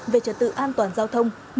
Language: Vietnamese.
về trật tự an toàn giao thông